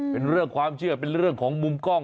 เป็นเรื่องความเชื่อเป็นเรื่องของมุมกล้อง